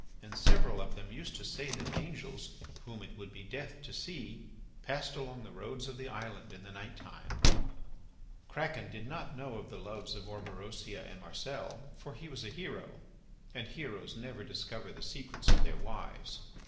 And several of them used to say that angels, whom it would be death to see, passed along the roads of the island in the night time. Kraken did not know of the loves of Orberosia and Marcel, for he was a hero, and heroes never discover the secrets of their wives.